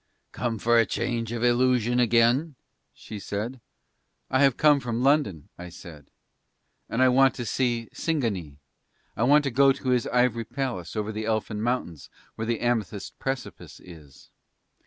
"Come for a change of illusion again?" she said. "I have come from London," I said. "And I want to see Singanee. I want to go to his ivory palace over the elfin mountains where the amethyst precipice is."